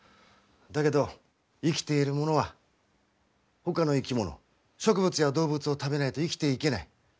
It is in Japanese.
だけど生きているものはほかの生き物植物や動物を食べないと生きていけない。